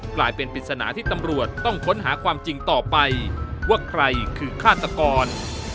กลายเป็นปริศนาที่ตำรวจต้องค้นหาความจริงต่อไปว่าใครคือฆาตกร